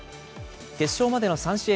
決勝までの３試合